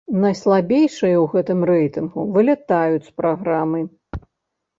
Найслабейшыя ў гэтым рэйтынгу вылятаюць з праграмы.